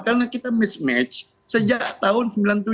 karena kita mismatch sejak tahun sembilan puluh tujuh